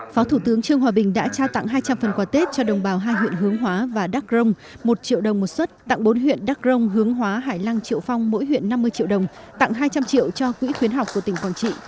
phó thủ tướng trương hòa bình đã trao tặng hai trăm linh phần quà tết cho đồng bào hai huyện hướng hóa và đắk rông một triệu đồng một xuất tặng bốn huyện đắc rông hướng hóa hải lăng triệu phong mỗi huyện năm mươi triệu đồng tặng hai trăm linh triệu cho quỹ khuyến học của tỉnh quảng trị